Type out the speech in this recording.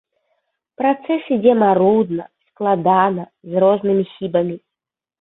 Працэс ідзе марудна, складана, з рознымі хібамі.